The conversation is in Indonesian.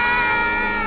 nggak nggak kena